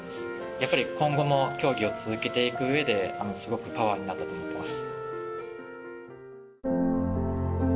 やっぱり今後も競技を続けていく上ですごくパワーになったと思ってます。